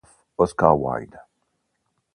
He was the father of Oscar Wilde.